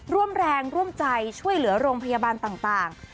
ร่วมแรงร่วมใจช่วยเหลือโรงพยาบาลต่าง